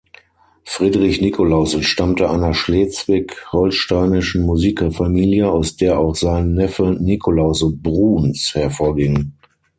Friedrich Nicolaus entstammte einer schleswig-holsteinischen Musikerfamilie, aus der auch sein Neffe Nicolaus Bruhns hervorging.